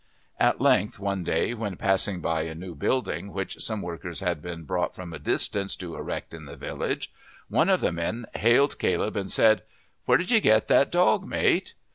At length one day when passing by a new building which some workmen had been brought from a distance to erect in the village, one of the men hailed Caleb and said, "Where did you get that dog, mate?"